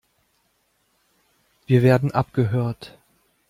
Wir werden abgehört.